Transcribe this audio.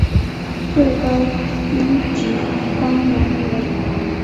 最高军职官员为。